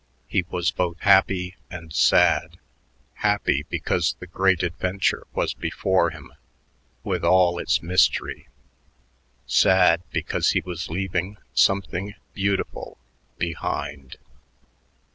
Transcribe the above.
He was both happy and sad happy because the great adventure was before him with all its mystery, sad because he was leaving something beautiful behind....